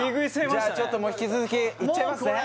じゃあちょっともう引き続きいっちゃいますね